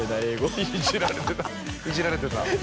いじられてた。